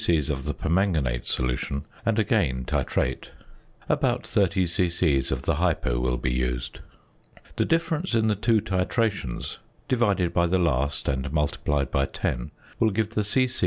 of the "permanganate" solution, and again titrate; about 30 c.c. of the "hypo" will be used. The difference in the two titrations, divided by the last and multiplied by 10, will give the c.c.